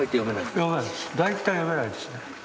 大体読めないですね。